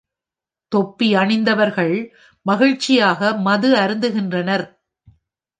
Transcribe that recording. தொப்பி அணிந்தவர்கள் மகிழ்ச்சியாக மது அருந்துகின்றனர்.